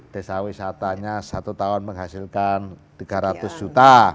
desa wisatanya satu tahun menghasilkan tiga ratus juta